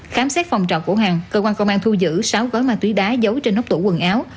khám xét phòng trọ của hằng cơ quan công an thu giữ sáu gói ma túy đá giấu trên ốc tủ quần áo